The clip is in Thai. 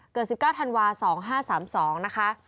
เกิด๑๙ธันวาสิงหาคม๒๕๓๒นะคะ